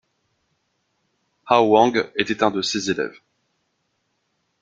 Hao Wang était un de ses élèves.